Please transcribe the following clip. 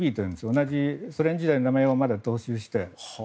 同じソ連時代の名前を踏襲して。